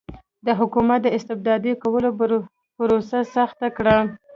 د حکومت د استبدادي کولو پروسه سخته کړه.